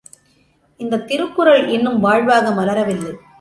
இந்தத் திருக்குறள் இன்னும் வாழ்வாக மலரவில்லை!